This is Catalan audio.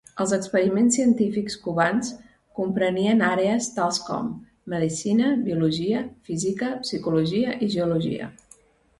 Els experiments científics cubans comprenien àrees tals com: medicina, biologia, física, psicologia i geologia.